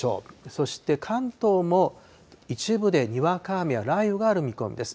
そして関東も、一部でにわか雨や雷雨がある見込みです。